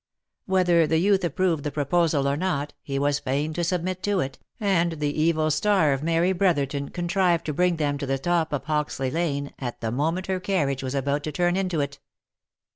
Whether the youth approved the proposal or not, he was fain to submit to it, and the evil star of Mary Brotherton contrived to bring them to the top of Hoxley lane at the moment her carriage was about to turn into it.